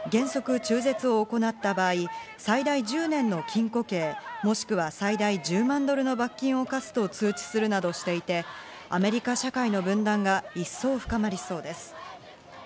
一方、南部アーカンソー州の保健当局は医療機関に対し、原則、中絶を行った場合、最大１０年の禁錮刑、もしくは最大１０万ドルの罰金を科すと通知するなどしていて、アメリカ社会の分断が一層深まりそうです。